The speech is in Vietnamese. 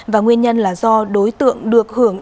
và nguyên nhân là do đối tượng được hưởng